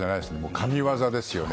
神業ですよね。